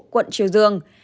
quận triều dương